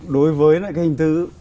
đối với cái hình thức